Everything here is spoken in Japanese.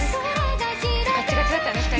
ガチガチだったよね